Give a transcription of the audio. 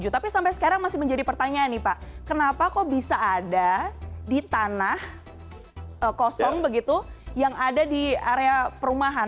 tapi sampai sekarang masih menjadi pertanyaan nih pak kenapa kok bisa ada di tanah kosong begitu yang ada di area perumahan